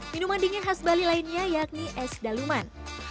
minuman dingin khas bali lainnya yakni es daluman